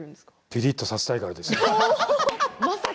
ピリっとさせたいからですよ。